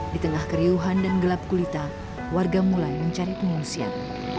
di tengah keriuhan dan gelap kulita warga mulai mencari pengungsian